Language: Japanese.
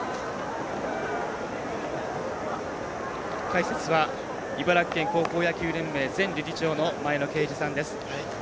解説は茨城県高校野球連盟前理事長の前野啓二さんです。